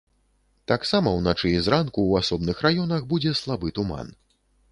Таксама ўначы і зранку ў асобных раёнах будзе слабы туман.